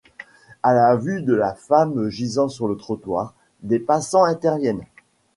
À la vue de la femme gisant sur le trottoir, des passants interviennent.